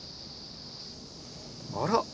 あら！